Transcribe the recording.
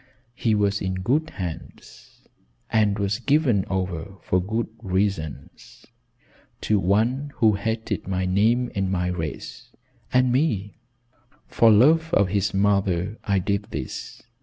He was in good hands and was given over for good reasons, to one who hated my name and my race and me. For love of his mother I did this.